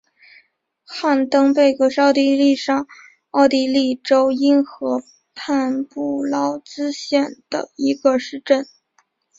汉登贝格是奥地利上奥地利州因河畔布劳瑙县的一个市镇。